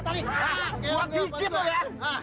tadi matatin gua